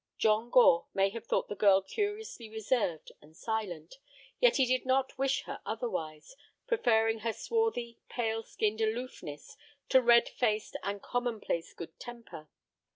John Gore may have thought the girl curiously reserved and silent. Yet he did not wish her otherwise, preferring her swarthy, pale skinned aloofness to red faced and commonplace good temper.